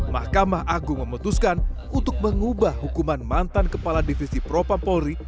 mahkamah agung memutuskan untuk mengubah hukuman mantan kepala divisi propam polri